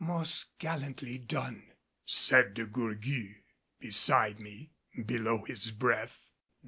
"Most gallantly done," said De Gourgues, beside me, below his breath.